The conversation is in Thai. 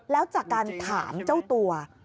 แล้วจากการถามเจ้าตัว